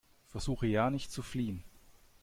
Versuche ja nicht zu fliehen!